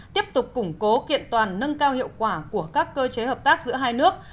tiếp tục củng cố kiện toàn nâng cao hiệu quả của các cơ chế hợp tác giữa hai nước